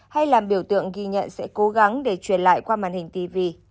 hay làm biểu tượng ghi nhận sẽ cố gắng để truyền lại qua màn hình tv